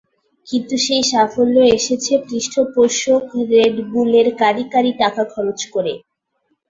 কিন্তু সেই সাফল্য এসেছে পৃষ্ঠপোষক রেডবুলের কাঁড়ি কাঁড়ি টাকা খরচ করে।